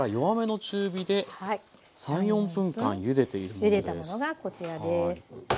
ゆでたものがこちらです。